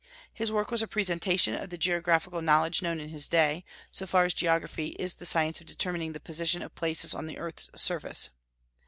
His work was a presentation of the geographical knowledge known in his day, so far as geography is the science of determining the position of places on the earth's surface.